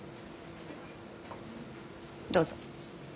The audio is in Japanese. どうぞ。